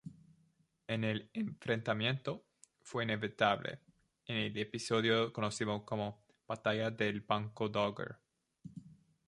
El enfrentamiento fue inevitable, en el episodio conocido como Batalla del Banco Dogger.